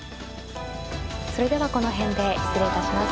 それではこの辺で失礼いたします。